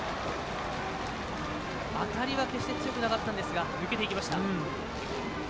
当たりは決して強くなかったんですが抜けていきました。